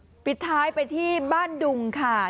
นะครับปิดท้ายไปที่บ้านดุงค่ะ